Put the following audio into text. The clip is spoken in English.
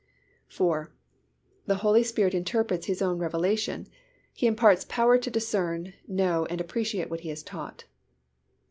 IV. _The Holy Spirit interprets His own revelation. He imparts power to discern, know and appreciate what He has taught.